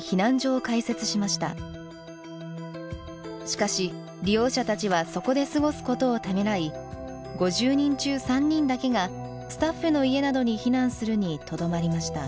しかし利用者たちはそこで過ごすことをためらい５０人中３人だけがスタッフの家などに避難するにとどまりました。